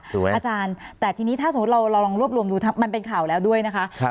อาจารย์แต่ทีนี้ถ้าสมมุติเราลองรวบรวมดูมันเป็นข่าวแล้วด้วยนะคะ